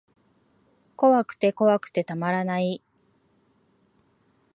怖くて怖くてたまらない